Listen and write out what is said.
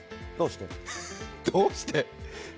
どうして？